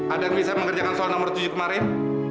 ada yang bisa mengerjakan soal nomor tujuh kemarin